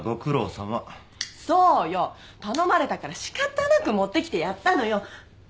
頼まれたからしかたなく持ってきてやったのよ！